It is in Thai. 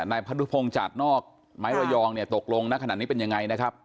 นายพนุพงศ์จากนอกไม้ระยองเนี่ยตกลงณขณะนี้เป็นยังไงนะครับ